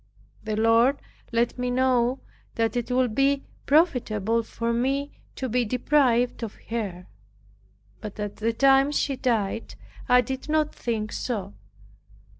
The Lord let me know that it would be profitable for me to be deprived of her. But at the time she died I did not think so.